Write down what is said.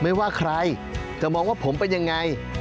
ไม่ว่าใครจะมองว่าผมเป็นยังไง